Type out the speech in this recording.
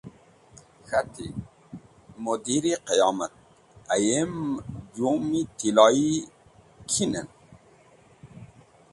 K̃hati: “Modar-e qiyomat! Ayem jom-e tiloyi kinen?”